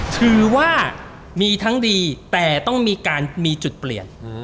ถือว่ามีทั้งดีแต่ต้องมีการมีจุดเปลี่ยน